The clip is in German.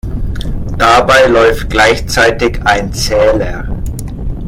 Dabei läuft gleichzeitig ein Zähler.